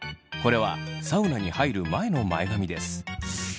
これはサウナに入る前の前髪です。